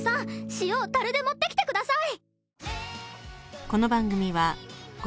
塩を樽で持ってきてください！